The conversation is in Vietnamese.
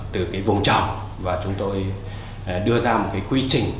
từ cái vùng trồng và chúng tôi đưa ra một cái quy trình